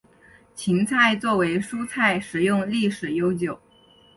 芹菜作为蔬菜食用历史悠久。